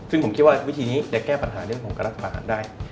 ซึ่งผมคิดว่าวิธีนี้จะแก้ปัญหาเรื่องของการรัฐประหารได้